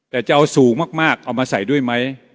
แต่จะเอาสูงมากเอามาใส่ด้วยไหม